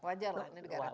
wajar lah ini negara terbang